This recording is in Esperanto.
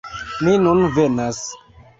"Mi nun venas!"